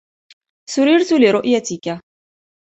سررتُ لرؤيتكَ.